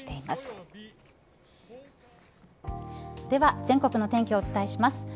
では全国の天気をお伝えします。